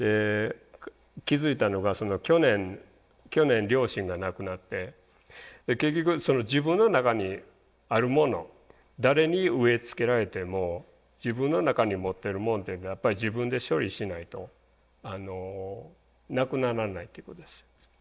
気付いたのが去年両親が亡くなって結局自分の中にあるもの誰に植え付けられても自分の中に持ってるもんっていうのはやっぱり自分で処理しないとなくならないってことです。